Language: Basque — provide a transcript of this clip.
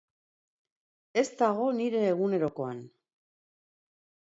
Ez dago nire egunerokoan.